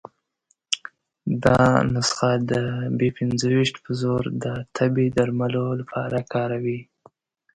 دا نسخه د بي پنځه ویشت په زور د تبې درملو لپاره وکاروي.